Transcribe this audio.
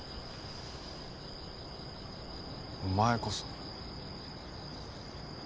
お前こそ。